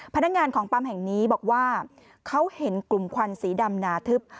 พนักงานของปั๊มแห่งนี้บอกว่าเขาเห็นกลุ่มควันสีดำหนาทึบ